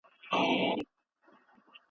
لمر پاڼې ته نوی ژوند ورکوي.